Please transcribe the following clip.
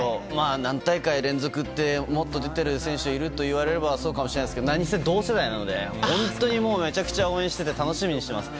何大会連続ってもっと出ている選手もいるといわれればそうかもしれないですけど何せ、同世代なので本当にめちゃくちゃ応援していて楽しみにしています。